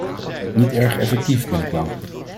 Niet erg effectief, ben ik bang.